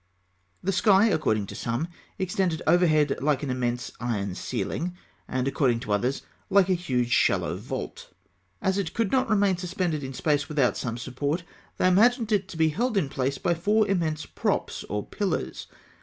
The sky, according to some, extended overhead like an immense iron ceiling, and according to others, like a huge shallow vault. As it could not remain suspended in space without some support, they imagined it to be held in place by four immense props or pillars.